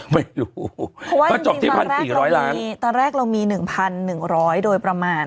ไม่รู้ก็จบที่พันสี่ร้อยล้านตอนแรกเรามีตอนแรกเรามีหนึ่งพันหนึ่งร้อยโดยประมาณ